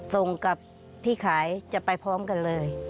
ส่งกับที่ขายจะไปพร้อมกันเลย